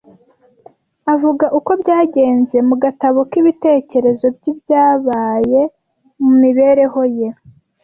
Avuga uko byagenze mu gatabo k’ibitekerezo by’ibyabaye mu mibereho ye